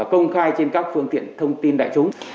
công khai trên các phương tiện thông tin đại chúng